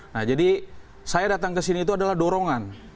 nah jadi saya datang ke sini itu adalah dorongan